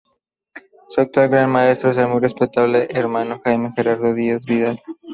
Su actual Gran Maestro es el Muy Respetable Hermano Jaime Gerardo Díaz Vidal.